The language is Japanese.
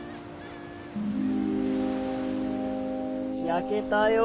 焼けたよ。